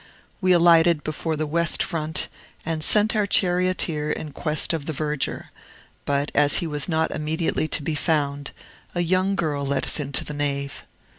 We alighted before the west front, and sent our charioteer in quest of the verger; but, as he was not immediately to be found, a young girl let us into the nave.